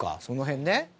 その辺ね。